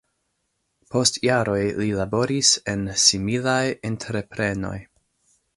Post jaroj li laboris en similaj entreprenoj.